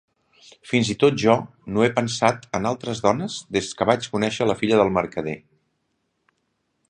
Fins i tot jo; no he pensat en altres dones des que vaig conèixer la filla del mercader.